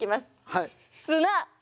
はい。